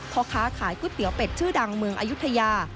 พ่อค้าขายก๋วยเตี๋ยวเป็ดชื่อดังเมืองอายุทยา